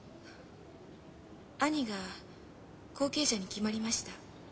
兄が後継者に決まりました。